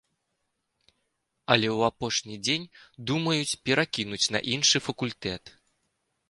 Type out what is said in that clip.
Але ў апошні дзень думаюць перакінуць на іншы факультэт.